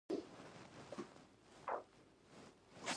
دا به رښتیا چېرته وي چې دا سړی ورپسې ګرځي.